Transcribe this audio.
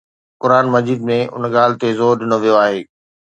قرآن مجيد ۾ ان ڳالهه تي زور ڏنو ويو آهي